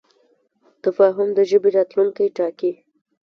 تفاهم د ژبې راتلونکی ټاکي.